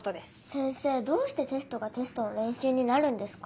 先生どうしてテストがテストの練習になるんですか？